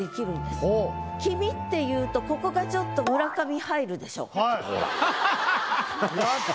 「君」って言うとここがちょっと村上入るでしょ。